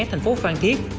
thành phố phan thiết